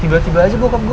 tiba tiba aja bokap gue